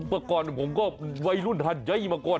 เมื่อก่อนผมก็วัยรุ่นหัดใหญ่มาก่อน